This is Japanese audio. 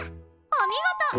お見事！